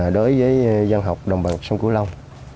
đối với văn học đồng bằng sông cửu long